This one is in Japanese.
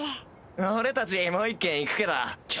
俺たちもう一軒行くけど。